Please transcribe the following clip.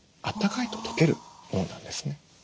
あったかいと溶けるものなんですね。